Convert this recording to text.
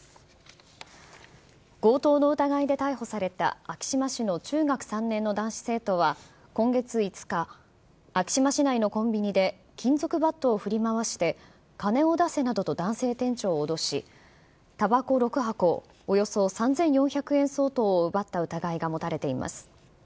強盗の疑いで逮捕された、昭島市の中学３年の男子生徒は、今月５日、昭島市内のコンビニで、金属バットを振り回して、金を出せなどと、男性店長を脅し、たばこ６箱およそ３４００円相当を奪った疑いが持たれています。